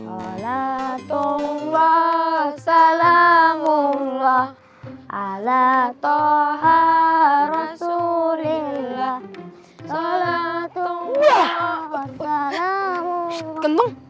allah tuhan salamullah ala toha rasulillah sholatullah